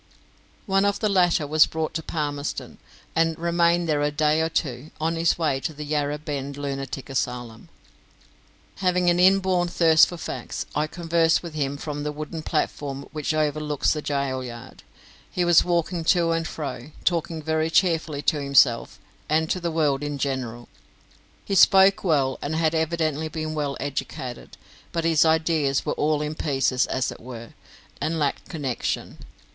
One of the latter was brought to Palmerston, and remained there a day or two on his way to the Yarra Bend Lunatic Asylum. Having an inborn thirst for facts, I conversed with him from the wooden platform which overlooks the gaol yard. He was walking to and fro, and talking very cheerfully to himself, and to the world in general. He spoke well, and had evidently been well educated, but his ideas were all in pieces as it were, and lacked connection.